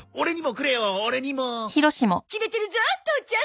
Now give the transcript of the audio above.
キレてるゾ父ちゃん！